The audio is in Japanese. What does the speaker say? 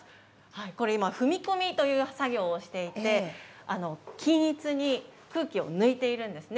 これ、今、踏み込みという作業をしていて、均一に空気を抜いてるんですね。